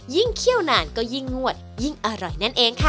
เคี่ยวนานก็ยิ่งนวดยิ่งอร่อยนั่นเองค่ะ